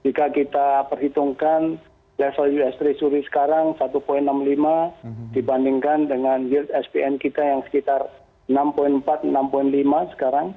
jika kita perhitungkan level us treasury sekarang satu enam puluh lima dibandingkan dengan yield spn kita yang sekitar enam empat enam lima sekarang